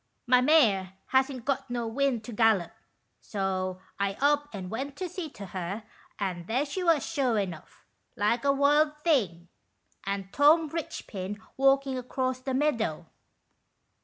" My mare hasn't got no wind to gallop, so I up and went to see to her, and there she was sure enough, like a wild thing, and Tom Eichpin walking across the meadow."